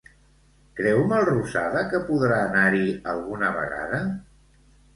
Creu Melrosada que podrà anar-hi alguna vegada?